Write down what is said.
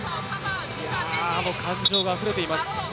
感情があふれています。